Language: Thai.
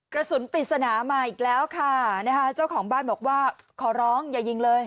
กระสุนปริศนามาอีกแล้วค่ะนะคะเจ้าของบ้านบอกว่าขอร้องอย่ายิงเลย